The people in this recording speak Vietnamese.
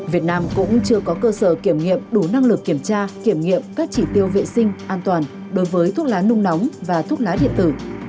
việt nam cũng chưa có cơ sở kiểm nghiệm đủ năng lực kiểm tra kiểm nghiệm các chỉ tiêu vệ sinh an toàn đối với thuốc lá nung nóng và thuốc lá điện tử